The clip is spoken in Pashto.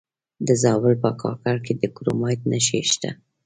د زابل په کاکړ کې د کرومایټ نښې شته.